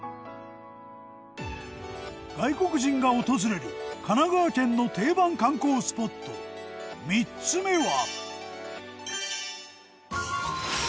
外国人が訪れる神奈川県の定番観光スポット３つ目は。